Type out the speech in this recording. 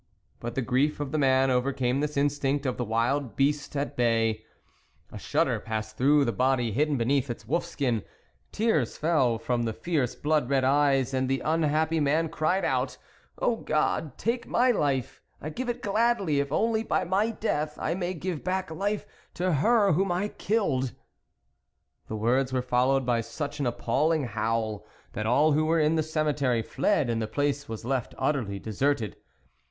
But the grief of the man overcame this instinct of the wild beast at bay ; a shudder passed through the body hidden beneath its wolf skin ; tears fell from the fierce blood red eyes, and the unhappy man cried out :" O God ! take my life, I give it gladly, if only by my death I may give back life to her whom I have killed 1 " The words were followed by such an appalling howl, that all who were in the cemetery fled, and the place was left utterly deserted.